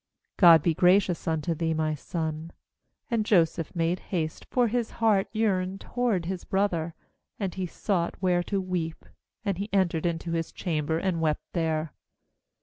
'God be gracious unto thee, my son.' 30And Joseph made haste; for his heart yearned toward his brother; and he sought where to weep; and he entered into his chamber, and wept there.